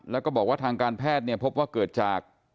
แล้วก็บอกว่าทางการแพทย์เนี่ยพบว่าเกิดจาก